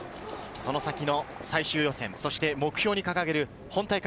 その先の最終予選、そして目標に掲げる本大会